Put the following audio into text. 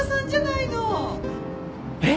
えっ！？